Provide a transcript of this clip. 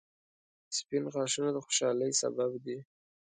• سپین غاښونه د خوشحالۍ سبب دي